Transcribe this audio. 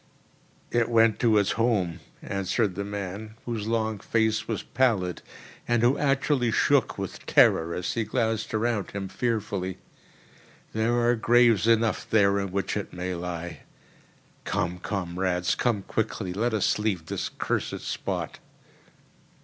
"It went to its home," answered the man, whose long face was pallid, and who actually shook with terror as he glanced around him fearfully. "There are graves enough there in which it may lie. Come, comrades—come quickly! Let us leave this cursed spot."